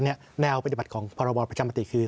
แนวปฏิบัติของพรบประชามติคือ